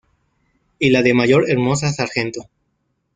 Y la de Mayor Hermosa-Sgto.